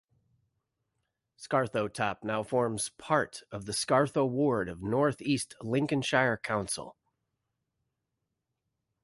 Scartho Top now forms part of the Scartho ward of North East Lincolnshire Council.